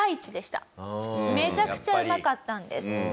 めちゃくちゃうまかったんです。